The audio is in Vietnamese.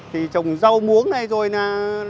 trồng rau muống